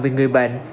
vì người bệnh